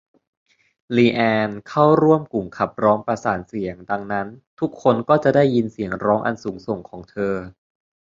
ลีแอนน์ เข้าร่วมกลุ่มขับร้องประสานเสียง ดังนั้นทุกคนก็จะได้ยินเสียงร้องอันสูงส่งของเธอ